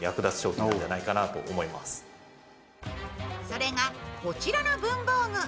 それがこちらの文房具。